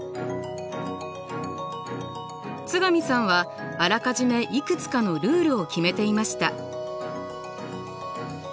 津上さんはあらかじめいくつかのルールを決めていました。